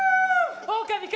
オオカミ君！